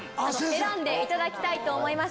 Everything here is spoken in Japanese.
選んでいただきたいと思います。